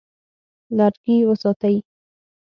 لرګي وساتئ.